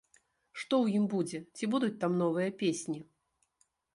Што ў ім будзе, ці будуць там новыя песні?